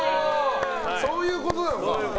そういうことなんだ。